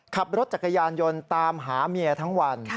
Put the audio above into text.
ขับรถจักรยานยนต์ตามหาเมียทั้งวัน